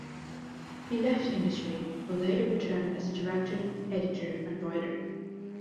He left the industry but later returned as a director, editor, and writer.